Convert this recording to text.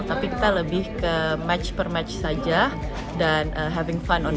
tapi kita lebih ke match per match saja dan having fun on the court